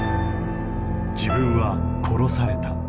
自分は殺された。